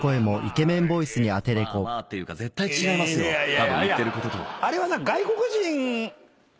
たぶん言ってることと。